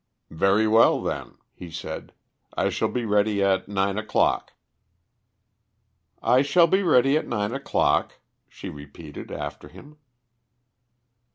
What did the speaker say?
"Very well, then," he said; "I shall be ready at nine o'clock." "I shall be ready at nine o'clock," she repeated after him.